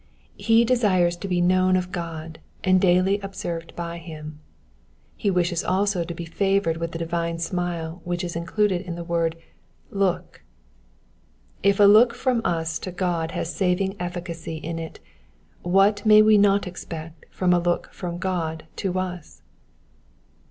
He desires to be known of God, and daily observed by him. He wishes also to be favoured with the divine smile which is included in the word — *Mook.'' If a look from us to God has saving efficacy in it, what may we not expect from a look from God to us.